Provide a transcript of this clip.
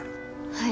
はい。